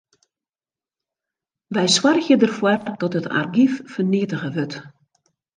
Wy soargje derfoar dat it argyf ferneatige wurdt.